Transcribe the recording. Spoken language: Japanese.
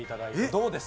どうですか？